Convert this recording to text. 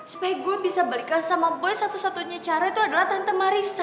supaya gue bisa balikkan sama gue satu satunya cara itu adalah tante marissa